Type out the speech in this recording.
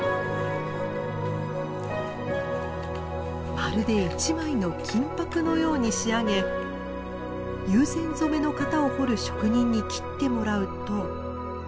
まるで一枚の金箔のように仕上げ友禅染の型を彫る職人に切ってもらうと。